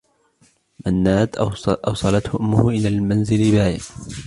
منّاد أوصلته أمّه إلى منزل باية.